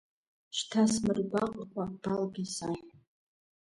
Шьҭа смыргәаҟкәа балга исаҳә!